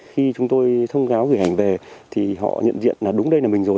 khi chúng tôi thông cáo gửi hành về thì họ nhận diện là đúng đây là mình rồi